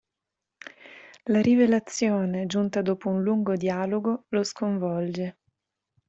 La rivelazione, giunta dopo un lungo dialogo, lo sconvolge.